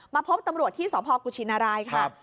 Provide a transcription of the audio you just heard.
พบตำรวจที่สพกุชินรายค่ะ